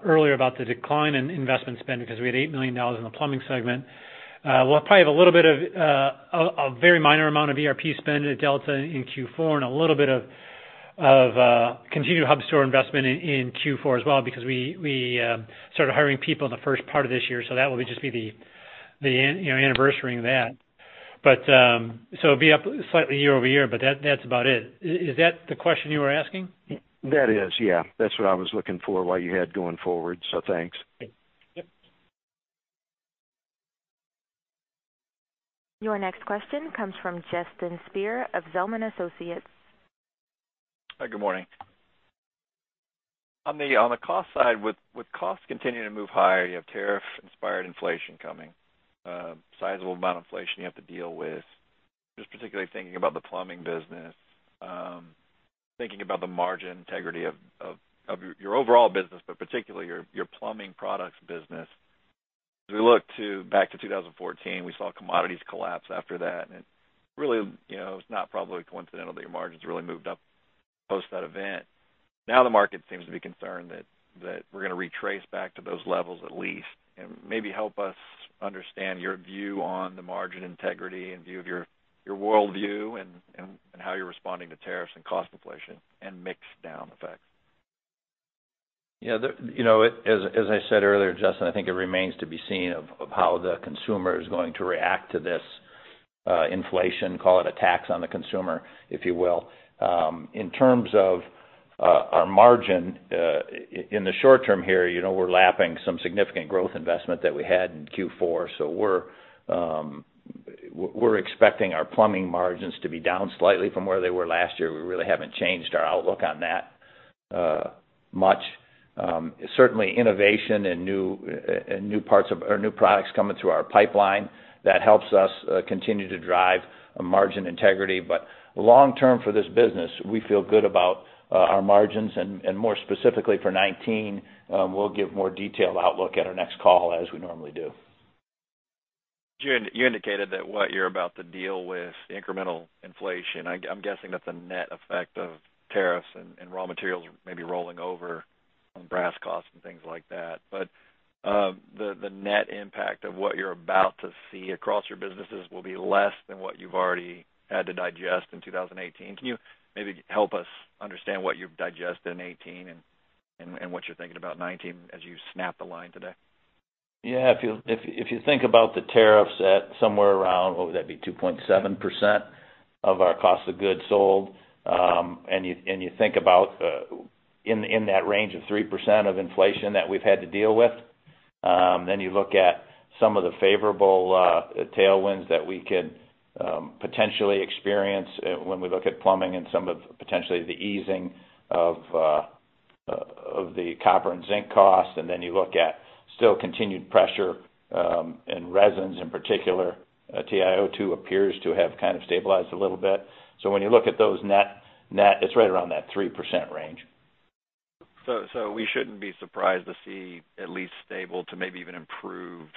earlier about the decline in investment spend because we had $8 million in the plumbing segment. We'll probably have a very minor amount of ERP spend at Delta in Q4 and a little bit of continued hub store investment in Q4 as well, because we started hiring people in the first part of this year. That will just be the anniversarying that. It'll be up slightly year-over-year, but that's about it. Is that the question you were asking? That is, yeah. That's what I was looking for, what you had going forward. Thanks. Yep. Your next question comes from Justin Speer of Zelman & Associates. Hi, good morning. On the cost side, with costs continuing to move higher, you have tariff-inspired inflation coming, sizeable amount of inflation you have to deal with. Just particularly thinking about the plumbing business, thinking about the margin integrity of your overall business, but particularly your plumbing products business. As we look back to 2014, we saw commodities collapse after that, really it's not probably coincidental that your margins really moved up post that event. Now the market seems to be concerned that we're going to retrace back to those levels at least. Maybe help us understand your view on the margin integrity and view of your worldview and how you're responding to tariffs and cost inflation and mix down effects. Yeah. As I said earlier, Justin, I think it remains to be seen of how the consumer is going to react to this inflation, call it a tax on the consumer, if you will. In terms of our margin, in the short term here, we're lapping some significant growth investment that we had in Q4. We're expecting our plumbing margins to be down slightly from where they were last year. We really haven't changed our outlook on that much. Certainly innovation and new products coming through our pipeline, that helps us continue to drive margin integrity. Long term for this business, we feel good about our margins, and more specifically for 2019, we'll give more detailed outlook at our next call as we normally do. You indicated that what you're about to deal with incremental inflation, I'm guessing that the net effect of tariffs and raw materials may be rolling over on brass costs and things like that. The net impact of what you're about to see across your businesses will be less than what you've already had to digest in 2018. Can you maybe help us understand what you've digested in 2018 and what you're thinking about 2019 as you snap the line today? Yeah. If you think about the tariffs at somewhere around, what would that be? 2.7% of our cost of goods sold, and you think about in that range of 3% of inflation that we've had to deal with. Then you look at some of the favorable tailwinds that we could potentially experience when we look at plumbing and some of potentially the easing of the copper and zinc costs. Then you look at still continued pressure in resins, in particular, TiO2 appears to have kind of stabilized a little bit. When you look at those net, it's right around that 3% range. We shouldn't be surprised to see at least stable to maybe even improved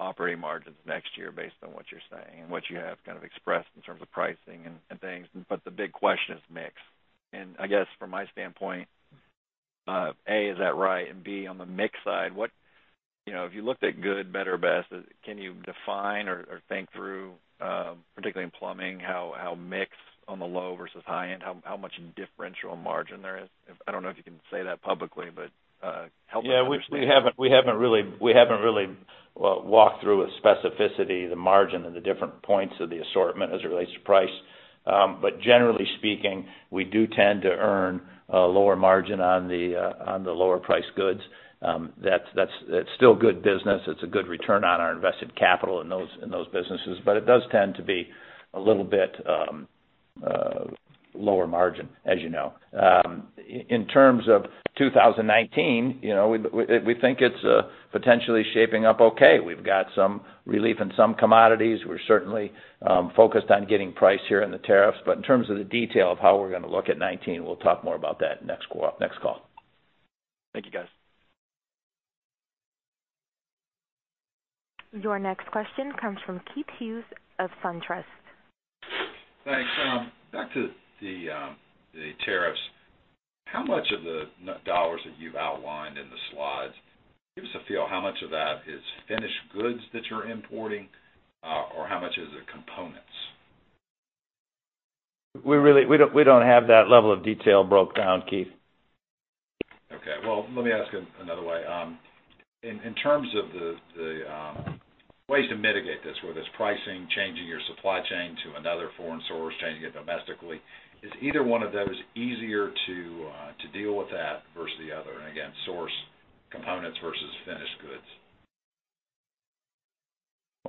operating margins next year based on what you're saying and what you have kind of expressed in terms of pricing and things. The big question is mix. I guess from my standpoint, A, is that right? B, on the mix side, if you looked at good, better, best, can you define or think through, particularly in plumbing, how mix on the low versus high-end, how much differential margin there is? I don't know if you can say that publicly, help us understand. Yeah, we haven't really walked through with specificity the margin and the different points of the assortment as it relates to price. Generally speaking, we do tend to earn a lower margin on the lower priced goods. That's still good business. It's a good return on our invested capital in those businesses, it does tend to be a little bit lower margin, as you know. In terms of 2019, we think it's potentially shaping up okay. We've got some relief in some commodities. We're certainly focused on getting price here in the tariffs. In terms of the detail of how we're going to look at 2019, we'll talk more about that next call. Thank you, guys. Your next question comes from Keith Hughes of SunTrust. Thanks. Back to the tariffs, how much of the dollars that you've outlined in the slides, give us a feel how much of that is finished goods that you're importing, or how much is the components? We don't have that level of detail broke down, Keith. Okay. Well, let me ask it another way. In terms of the ways to mitigate this, whether it's pricing, changing your supply chain to another foreign source, changing it domestically, is either one of those easier to deal with that versus the other? And again, source components versus finished goods.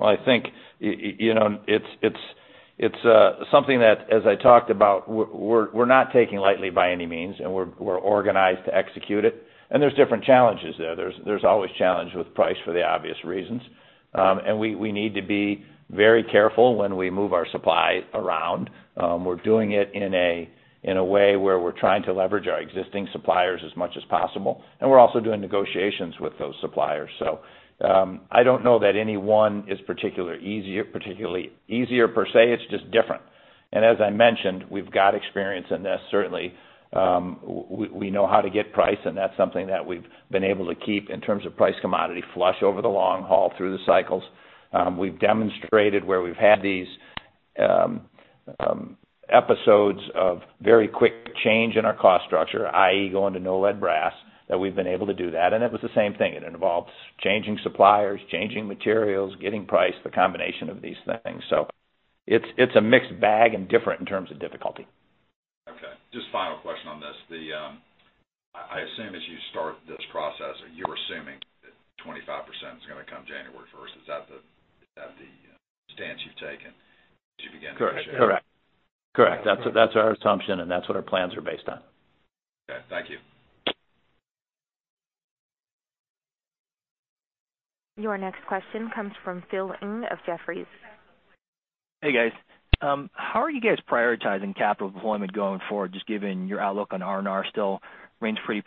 I think it's something that, as I talked about, we're not taking lightly by any means, and we're organized to execute it. There's different challenges there. There's always challenge with price for the obvious reasons. We need to be very careful when we move our supply around. We're doing it in a way where we're trying to leverage our existing suppliers as much as possible, and we're also doing negotiations with those suppliers. I don't know that any one is particularly easier per se, it's just different. As I mentioned, we've got experience in this. Certainly, we know how to get price, and that's something that we've been able to keep in terms of price commodity flush over the long haul through the cycles. We've demonstrated where we've had these episodes of very quick change in our cost structure, i.e., going to no-lead brass, that we've been able to do that. It was the same thing. It involves changing suppliers, changing materials, getting price, the combination of these things. It's a mixed bag and different in terms of difficulty. Okay. Just final question on this. I assume as you start this process, you're assuming that 25% is going to come January 1st. Is that the stance you've taken as you begin to- Correct. That's our assumption, and that's what our plans are based on. Okay. Thank you. Your next question comes from Phil Ng of Jefferies. Hey, guys. How are you guys prioritizing capital deployment going forward, just given your outlook on R&R still range free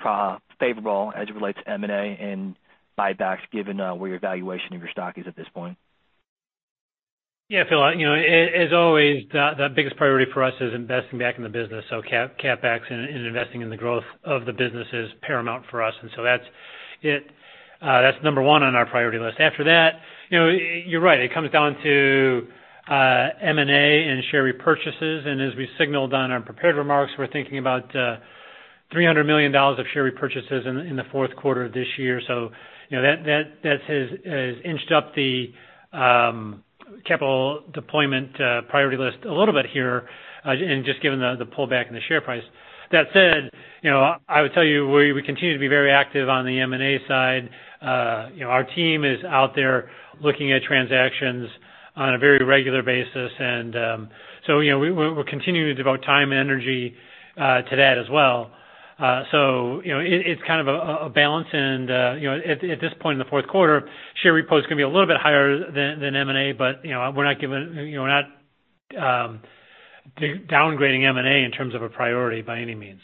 favorable as it relates to M&A and buybacks given where your valuation of your stock is at this point? Yeah, Phil, as always, the biggest priority for us is investing back in the business. CapEx and investing in the growth of the business is paramount for us. That's it. That's number 1 on our priority list. After that, you're right. It comes down to M&A and share repurchases. As we signaled on our prepared remarks, we're thinking about $300 million of share repurchases in the fourth quarter of this year. That has inched up the capital deployment priority list a little bit here, and just given the pullback in the share price. That said, I would tell you, we continue to be very active on the M&A side. Our team is out there looking at transactions on a very regular basis. We're continuing to devote time and energy to that as well. It's kind of a balance and at this point in the fourth quarter, share repo is going to be a little bit higher than M&A, but we're not downgrading M&A in terms of a priority by any means.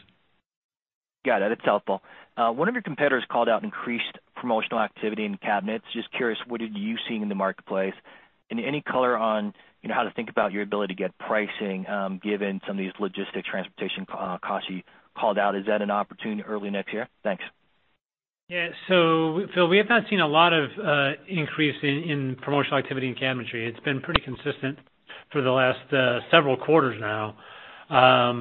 Got it. That's helpful. One of your competitors called out increased promotional activity in cabinets. Just curious, what are you seeing in the marketplace? Any color on how to think about your ability to get pricing given some of these logistic transportation costs you called out. Is that an opportunity early next year? Thanks. Yeah. Phil, we have not seen a lot of increase in promotional activity in cabinetry. It's been pretty consistent for the last several quarters now. Are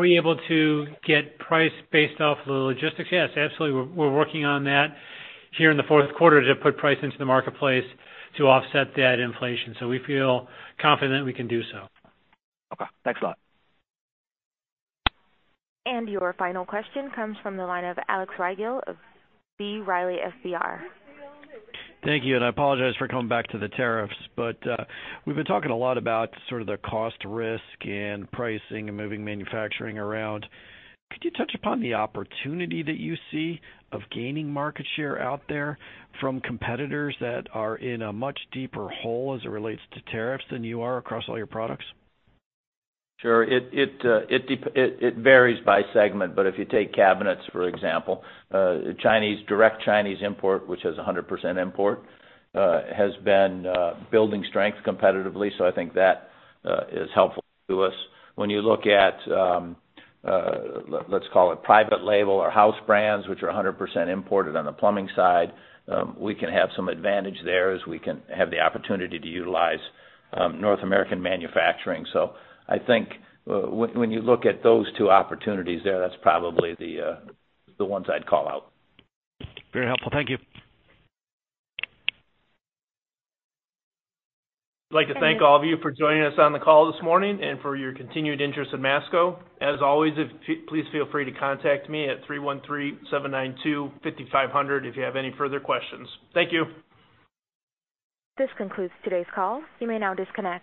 we able to get price based off of the logistics? Yes, absolutely. We're working on that here in the fourth quarter to put price into the marketplace to offset that inflation. We feel confident we can do so. Okay. Thanks a lot. Your final question comes from the line of Alex Rygiel of B. Riley FBR. Thank you. I apologize for coming back to the tariffs. We've been talking a lot about sort of the cost risk in pricing and moving manufacturing around. Could you touch upon the opportunity that you see of gaining market share out there from competitors that are in a much deeper hole as it relates to tariffs than you are across all your products? Sure. It varies by segment, if you take cabinets, for example, direct Chinese import, which is 100% import, has been building strength competitively. I think that is helpful to us. When you look at, let's call it private label or house brands, which are 100% imported on the plumbing side, we can have some advantage there as we can have the opportunity to utilize North American manufacturing. I think when you look at those two opportunities there, that's probably the ones I'd call out. Very helpful. Thank you. I'd like to thank all of you for joining us on the call this morning and for your continued interest in Masco. As always, please feel free to contact me at 313-792-5500 if you have any further questions. Thank you. This concludes today's call. You may now disconnect.